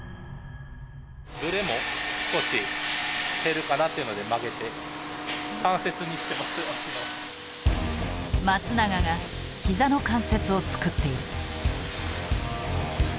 ブレも少し減るかなっていうので松永が膝の関節を作っている。